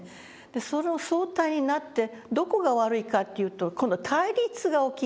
その相対になってどこが悪いかっていうと今度は対立が起きるんですね。